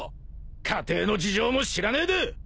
家庭の事情も知らねえで！